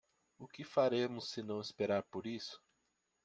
O que faremos senão esperar por isso?